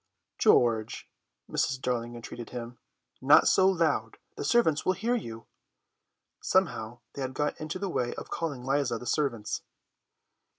"George," Mrs. Darling entreated him, "not so loud; the servants will hear you." Somehow they had got into the way of calling Liza the servants.